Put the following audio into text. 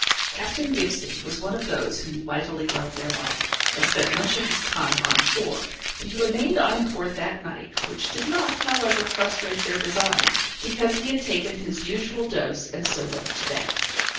Captain Gibson was one of those who mightily love their bottle, and spent much of his time on shore; but he remained on board that night, which did not, however, frustrate their design, because he had taken his usual dose, and so went to bed.